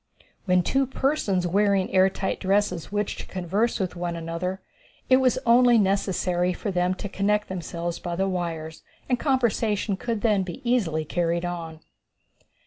When two persons wearing the air tight dresses wished to converse with one another it was only necessary for them to connect themselves by the wires, and conversation could then be easily carried on.